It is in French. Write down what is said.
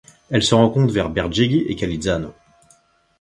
Elle se rencontre vers Bergeggi et Calizzano.